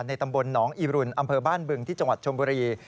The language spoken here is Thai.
ตำบลหนองอีรุนอำเภอบ้านบึงที่จังหวัดชมบุรี